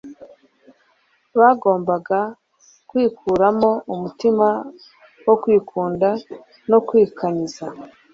bagombaga kwikuramo umutima wo kwikunda no kwikanyiza,